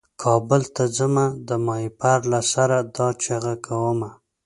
کابل ته ځمه د ماهیپر له سره دا چیغه کومه.